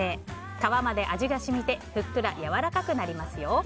皮まで味が染みてふっくらやわらかくなりますよ。